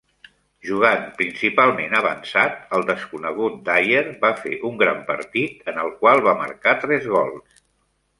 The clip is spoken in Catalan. Jugant principalment avançat, el desconegut Dyer va fer un gran partit, en el qual va marcar tres gols.